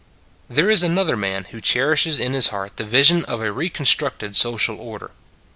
There is another man who cherishes in his heart the vision of a reconstructed social order.